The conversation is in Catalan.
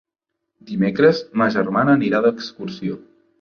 Dimecres ma germana anirà d'excursió.